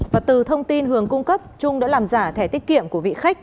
kinh hưởng cung cấp trung đã làm giả thẻ tiết kiệm của vị khách